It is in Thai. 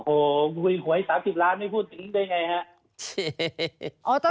โอ้โหคุยหวย๓๐ล้านไม่พูดถึงได้ไงฮะ